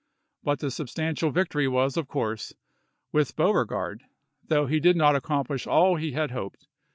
But the substantial \dctory was, of course, with Beauregard, though he did not accomplish all he had hoped.